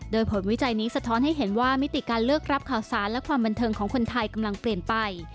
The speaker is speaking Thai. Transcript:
โดยผลวิจัยนี้สะท้อนให้เห็นว่ามิติการเลือกรับข่าวสารและความบันเทิงของคนไทยกำลังเปลี่ยนไป